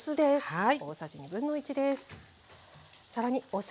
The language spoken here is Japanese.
はい。